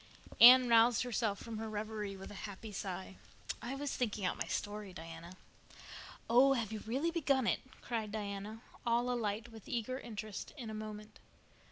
Anne roused herself from her reverie with a happy sigh. "I was thinking out my story, Diana." "Oh, have you really begun it?" cried Diana, all alight with eager interest in a moment.